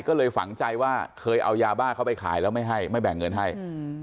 ก็เลยฝังใจว่าเคยเอายาบ้าเขาไปขายแล้วไม่ให้ไม่แบ่งเงินให้อืม